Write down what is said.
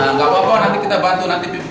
nggak apa apa nanti kita bantu nanti